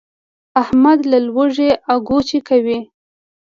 احمد له لوږې اګوچې کوي.